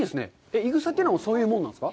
いぐさというのは、そういうもんなんですか？